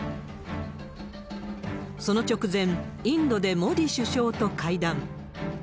その直前、インドでモディ首相と会談。